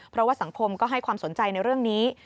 เพราะว่าสังคมก็ให้ความสนใจในเรื่องนี้